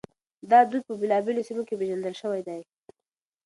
دا دود په بېلابېلو سيمو کې پېژندل شوی دی.